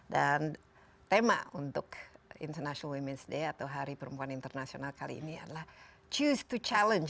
dan tema untuk international women's day atau hari perempuan internasional kali ini adalah choose to challenge